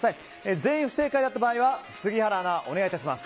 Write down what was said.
全員不正解だった場合は杉原アナ、お願いします。